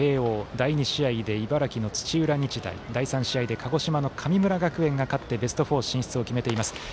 第２試合で茨城の土浦日大第３試合で、鹿児島の神村学園が勝って、ベスト４進出を決めています。